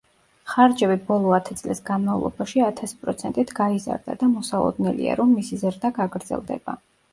ხარჯები ბოლო ათი წლის განმავლობაში ათასი პროცენტით გაიზარდა და მოსალოდნელია, რომ მისი ზრდა გაგრძელდება.